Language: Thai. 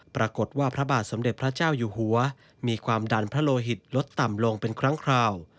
ปรากฏว่าพระบาทสมเด็จพระเจ้าอยู่หัวมีความดันพระโลหิตลดต่ำลงเป็นครั้งคราว